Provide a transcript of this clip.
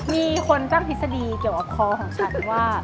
มีคนตั้งทีศาดีเกี่ยวของขอของฉันว่า